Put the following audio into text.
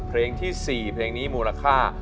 เพลงที่๔เพลงนี้มูลค่า